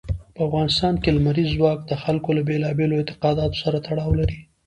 په افغانستان کې لمریز ځواک د خلکو له بېلابېلو اعتقاداتو سره تړاو لري.